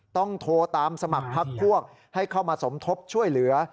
โทรตามสมัครพักพวกให้เข้ามาสมทบช่วยเหลือ